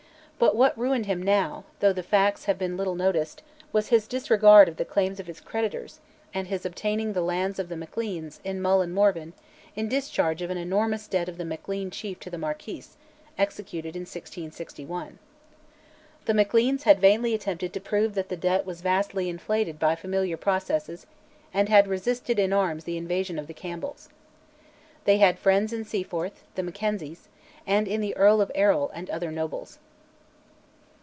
But what ruined him now (though the facts have been little noticed) was his disregard of the claims of his creditors, and his obtaining the lands of the Macleans in Mull and Morven, in discharge of an enormous debt of the Maclean chief to the Marquis, executed in 1661. The Macleans had vainly attempted to prove that the debt was vastly inflated by familiar processes, and had resisted in arms the invasion of the Campbells. They had friends in Seaforth, the Mackenzies, and in the Earl of Errol and other nobles.